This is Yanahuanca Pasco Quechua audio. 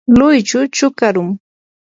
luychu chukarum.